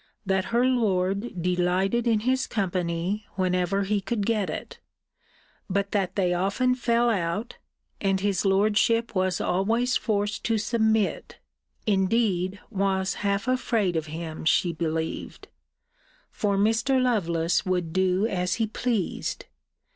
That her lord delighted in his company, whenever he could get it: but that they often fell out; and his lordship was always forced to submit indeed, was half afraid of him, she believed; for Mr. Lovelace would do as he pleased.